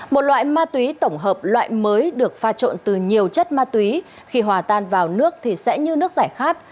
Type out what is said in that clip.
một loại ma túy tổng hợp loại mới được pha trộn từ nhiều chất ma túy khi hòa tan vào nước thì sẽ như nước giải khát